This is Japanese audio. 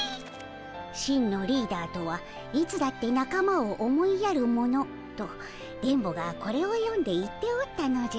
「真のリーダーとはいつだってなかまを思いやる者」と電ボがこれを読んで言っておったのじゃ。